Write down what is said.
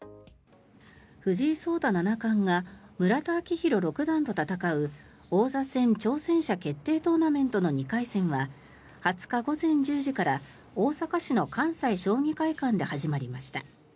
藤井聡太七冠が村田顕弘六段と戦う王座戦挑戦者決定トーナメントの２回戦は２０日午前１０時から大阪市の関西将棋会館で始まりました。